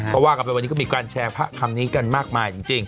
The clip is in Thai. เพราะว่ากันไปวันนี้ก็มีการแชร์พระคำนี้กันมากมายจริง